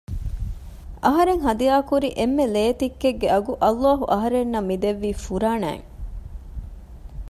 އަހަރެން ހަދިޔާކުރި އެންމެ ލޭތިއްކެއްގެ އަގު ﷲ އަހަރެންނަށް މިދެއްވީ ފުރާނައިން